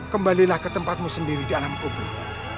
kembalilah ke tempatmu sendiri di alam kubur